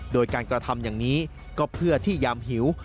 โดยการกระทำอย่างนี้ก็เพื่อที่ยามหิว